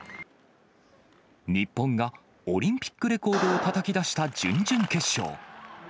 日本がオリンピックレコードをたたき出した準々決勝。